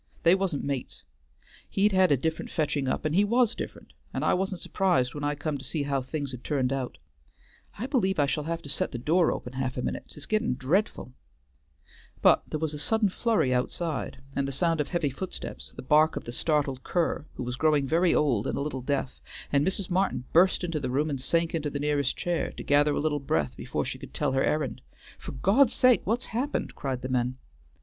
They wa'n't mates. He'd had a different fetchin' up, and he was different, and I wa'n't surprised when I come to see how things had turned out, I believe I shall have to set the door open a half a minute, 't is gettin' dreadful" but there was a sudden flurry outside, and the sound of heavy footsteps, the bark of the startled cur, who was growing very old and a little deaf, and Mrs. Martin burst into the room and sank into the nearest chair, to gather a little breath before she could tell her errand. "For God's sake what's happened?" cried the men.